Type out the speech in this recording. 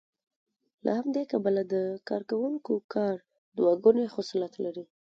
له همدې کبله د کارکوونکو کار دوه ګونی خصلت لري